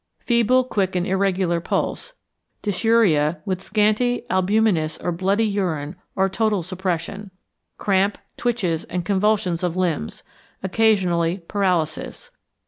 Feeble, quick, and irregular pulse, dysuria with scanty, albuminous or bloody urine or total suppression. Cramp, twitches and convulsions of limbs, occasionally paralysis.